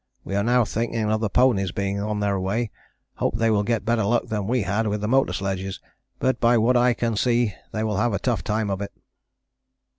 We are now thinking of the ponies being on their way, hope they will get better luck than we had with the motor sledges, but by what I can see they will have a tough time of it.